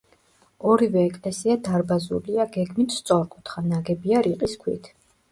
ორივე ეკლესია დარბაზულია, გეგმით სწორკუთხა, ნაგებია რიყის ქვით.